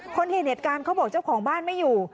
คนเห็นเหตุการณ์เขาบอกเจ้าของบ้านไม่อยู่